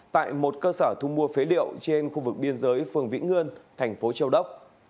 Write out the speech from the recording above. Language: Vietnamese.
tại một cơ sở thu mua phế liệu trên khu vực biên giới phường vĩnh ngươn thành phố châu đốc